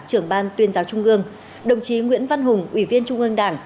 trưởng ban tuyên giáo trung ương đồng chí nguyễn văn hùng ủy viên trung ương đảng